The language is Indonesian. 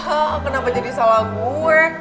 ehh kenapa jadi salah gue